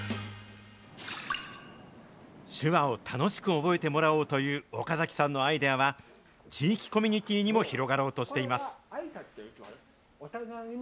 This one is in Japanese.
手話を楽しく覚えてもらおうという岡崎さんのアイデアは、地域コミュニティにも広がろうとしています。